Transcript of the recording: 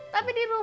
tapi di rumah